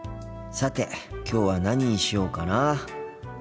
さてきょうは何にしようかなあ。